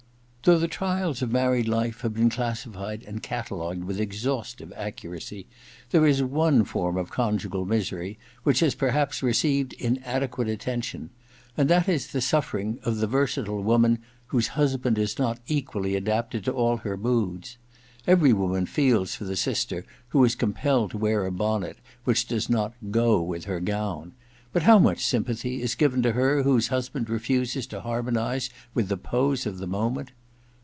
' Though the trials of married life have been classified and catalogued with exhaustive accuracy, there is one form of conjugal misery which has perhaps received inadequate attention ; and that is the suffering of the versatile woman whose husband is not equally adapted to all her moods. Every woman feels for the sister who is com pelled to wear a bonnet which does not *go' with her gown ; but how much sympathy is given to her whose husband refuses to harmonize with the pose of the moment?